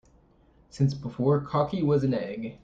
Since before cocky was an egg.